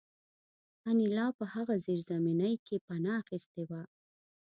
انیلا په هغه زیرزمینۍ کې پناه اخیستې وه